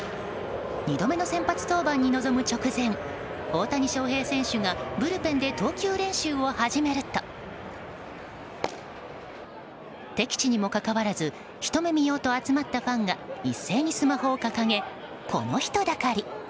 ２度目の先発登板に臨む直前大谷翔平選手がブルペンで投球練習を始めると敵地にもかかわらずひと目見ようと集まったファンが一斉にスマホを掲げこの人だかり。